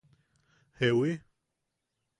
¿Jewi?